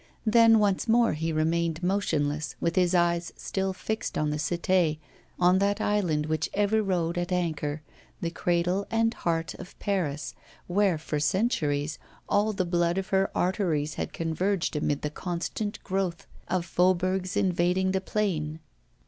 Then once more he remained motionless, with his eyes still fixed on the Cité, on that island which ever rode at anchor, the cradle and heart of Paris, where for centuries all the blood of her arteries had converged amid the constant growth of faubourgs invading the plain.